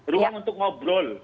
ruang untuk ngobrol